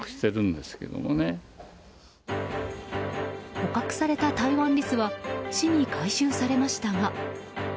捕獲されたタイワンリスは市に回収されましたが。